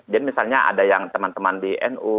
dan misalnya ada yang teman teman di nu